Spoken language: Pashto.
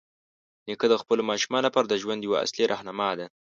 نیکه د خپلو ماشومانو لپاره د ژوند یوه اصلي راهنما دی.